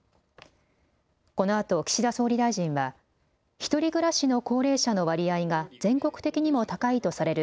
このあと岸田総理大臣は独り暮らしの高齢者の割合が全国的にも高いとされる